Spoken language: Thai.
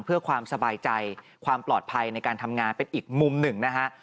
เพื่อความสบายใจความปลอดภัยในการทำงานเป็นอีกมุมหนึ่งนะฮะ